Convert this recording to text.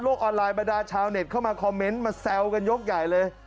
ออนไลน์บรรดาชาวเน็ตเข้ามาคอมเมนต์มาแซวกันยกใหญ่เลย